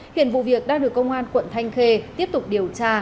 hiện vụ việc đang được công an quận thanh khê tiếp tục điều tra